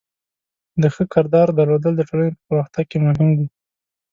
د ښه کردار درلودل د ټولنې په پرمختګ کې مهم دی.